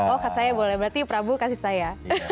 oh saya boleh berarti prabu kasih saya